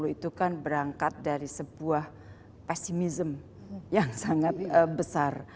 itu kan berangkat dari sebuah pesimism yang sangat besar